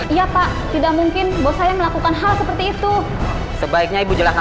iya pak tidak mungkin bos saya melakukan hal seperti itu sebaiknya ibu jelaskan